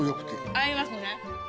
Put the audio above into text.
合いますね。